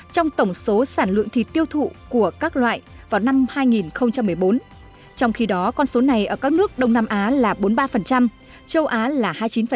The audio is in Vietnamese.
trong tổng số sản lượng thịt tiêu thụ của các loại vào năm hai nghìn một mươi bốn trong khi đó con số này ở các nước đông nam á là bốn mươi ba châu á là hai mươi chín